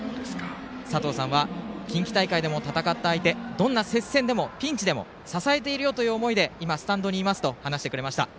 さとうさんは近畿大会でも戦った相手どんな接戦でも、ピンチでも支えているよという思いで今、スタンドにいますと話してくれました。